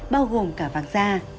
bao gồm cả vàng da